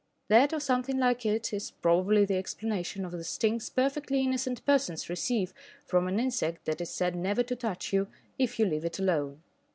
That or something like it is, probably, the explanation of the stings perfectly innocent persons receive from an insect that is said never to touch you if you leave it alone.